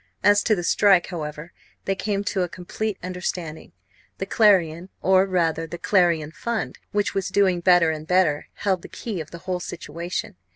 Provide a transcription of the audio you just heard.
As to the strike, however, they came to a complete understanding. The Clarion, or rather the Clarion fund, which was doing better and better, held the key of the whole situation.